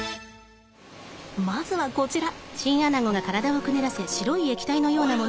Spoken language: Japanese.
まずはこちら。